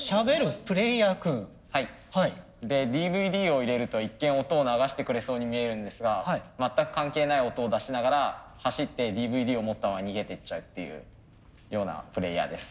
ＤＶＤを入れると一見音を流してくれそうに見えるんですが全く関係ない音を出しながら走ってＤＶＤを持ったまま逃げてっちゃうっていうようなプレーヤーです。